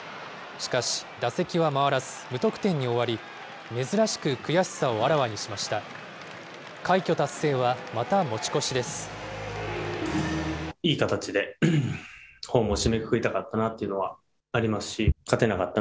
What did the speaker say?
しかし、打席は回らず、無得点に終わり、珍しく悔しさをあらわにしました。